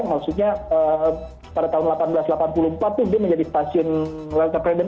maksudnya pada tahun seribu delapan ratus delapan puluh empat itu dia menjadi stasiun well redem